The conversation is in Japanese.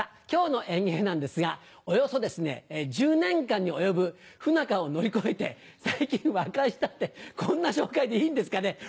今日の演芸なんですがおよそ１０年間に及ぶ不仲を乗り越えて最近和解したってこんな紹介でいいんですかね？